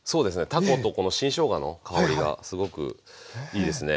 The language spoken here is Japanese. たことこの新しょうがの香りがすごくいいですね。